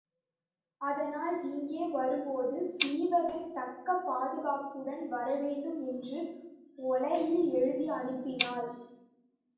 அதனால் இங்கே வரும்போது சீவகன் தக்க பாதுகாப்போடு வரவேண்டும் என்று ஒலையில் எழுதி அனுப்பினாள்.